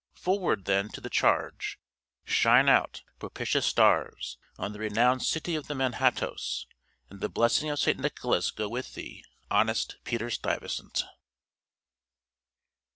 Forward, then, to the charge! Shine out, propitious stars, on the renowned city of the Manhattoes; and the blessing of St. Nicholas go with thee, honest Peter Stuyvesant.